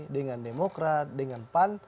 dengan demokrat dengan pan